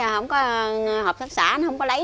hợp tác xã nó không có lấy